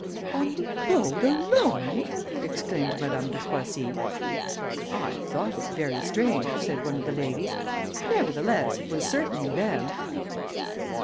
"On the road alone!" exclaimed Madame de Croissy. "I thought it very strange," said one of the ladies, "nevertheless it was certainly them."